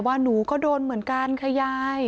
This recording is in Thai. หนูก็โดนเหมือนกันค่ะยาย